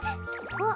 あっ。